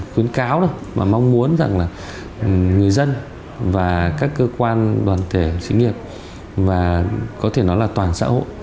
khó có thể kiểm trế